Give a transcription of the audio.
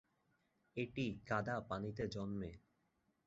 এটি কাদা পানিতে জন্মে।